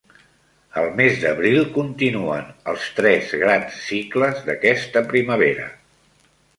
El mes d'abril continuen els tres grans cicles d'aquesta primavera.